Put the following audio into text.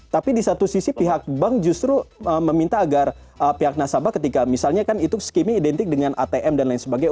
tapi di satu sisi pihak bank justru meminta agar pihak nasabah ketika misalnya kan itu skimming identik dengan atm dan lain sebagainya